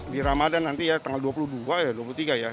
di ramadan nanti ya tanggal dua puluh dua ya dua puluh tiga ya